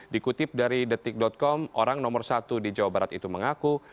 dikutip dari detik com orang nomor satu di jawa barat itu mengaku